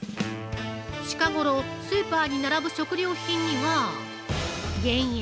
近ごろ、スーパーに並ぶ食料品には減塩！